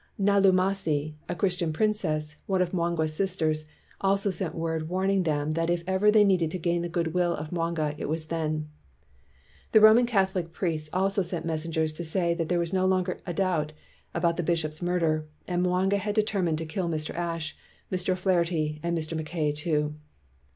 Nalumasi, a Christian princess, one of Mwanga 's sisters, also sent word warning them that if ever they needed to gain the good will of Mwanga it was then. The Eoman Catholic priests also sent messengers to say that there was no longer a donbt about the bishop's mur der, and that Mwanga had determined to kill Mr. Ashe, Mr. O 'Flaherty, and Mr. Mackay, too.